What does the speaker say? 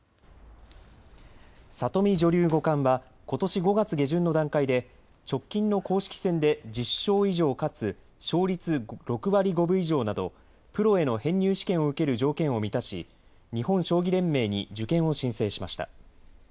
里見女流五冠はことし５月下旬の段階で直近の公式戦で１０勝以上かつ、勝率６割５分以上などプロへの編入試験を受ける条件を満たし日本将棋連盟に受験を申請しました。